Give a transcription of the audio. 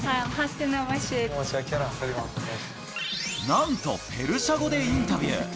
なんと、ペルシャ語でインタビュー。